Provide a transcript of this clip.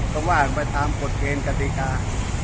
ต้องว่าไปถามกฎเกณฑ์กติกา